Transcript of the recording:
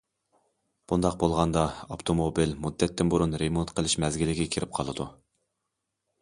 بۇنداق بولغاندا، ئاپتوموبىل مۇددەتتىن بۇرۇن رېمونت قىلىش مەزگىلىگە كىرىپ قالىدۇ.